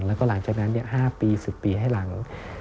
แล้วก็หลังจากนั้น๕ปี๑๐ปีให้หลัง